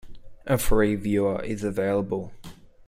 A free viewer is available.